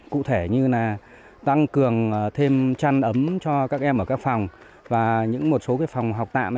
cụ thể như là tăng cường thêm chăn ấm cho các em ở các phòng và những một số phòng học tạm